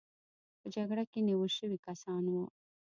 په جګړه کې نیول شوي کسان وو.